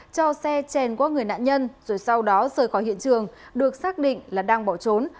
cho xe chèn qua người nạn nhân rồi sau đó rời khỏi hiện trường được xác định là đang bỏ trốn